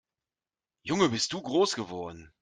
Junge, bist du groß geworden!